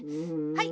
はい。